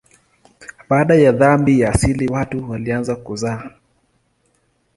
Baada ya dhambi ya asili watu walianza kuzaa.